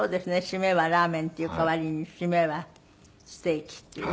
シメはラーメンっていう代わりにシメはステーキっていう。